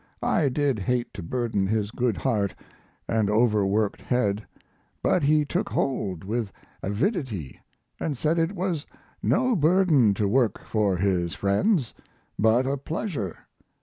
I did hate to burden his good heart & overworked head, but he took hold with avidity & said it was no burden to work for his friends, but a pleasure.